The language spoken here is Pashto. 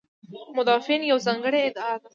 مدافعین یوه ځانګړې ادعا لري.